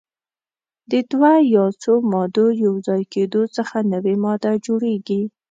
د دوه یا څو مادو یو ځای کیدو څخه نوې ماده جوړیږي.